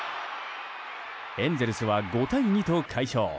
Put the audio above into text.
エンゼルスは５対２と快勝。